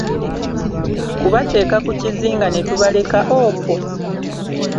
Kubateeka ku kizinga ne tubaleka okwo?